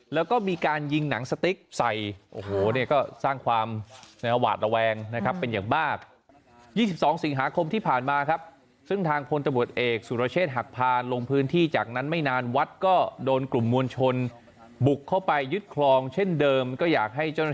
แล้วก็มีการยิงหนังสติ๊กใส่โอ้โหเนี่ยก็สร้างความหวาดระแวงนะครับเป็นอย่างมาก